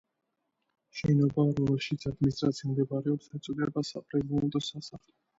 შენობას, რომელშიც ადმინისტრაცია მდებარეობს, ეწოდება საპრეზიდენტო სასახლე.